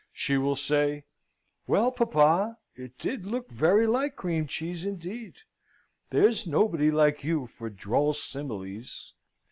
She will say, "Well, papa, it did look very like cream cheese, indeed there's nobody like you for droll similes."